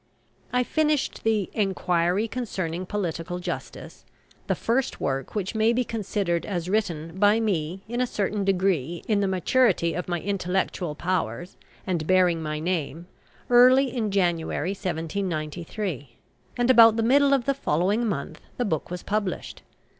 I finished the "Enquiry concerning Political Justice," the first work which may be considered as written by me in a certain degree in the maturity of my intellectual powers, and bearing my name, early in January, 1793; and about the middle of the following month the book was published.